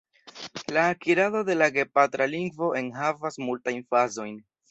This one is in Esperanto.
La akirado de la gepatra lingvo enhavas multajn fazojn.